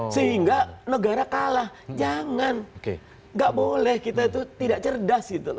sehingga negara kalah jangan nggak boleh kita itu tidak cerdas